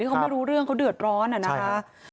เขาไม่รู้เรื่องเขาเดือดร้อนอะนะคะ